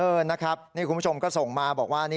นะครับนี่คุณผู้ชมก็ส่งมาบอกว่า